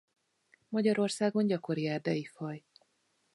Magyarországon gyakori erdei faj.